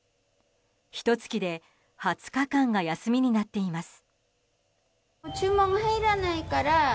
ひと月で２０日間が休みになっています。